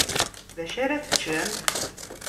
Dacu ara teččem?